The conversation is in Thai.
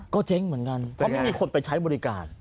ก็เจ๊งเหมือนกันเพราะไม่มีคนไปใช้บริการ